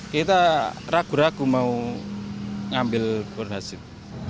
kita ragu ragu mau ambil kondasif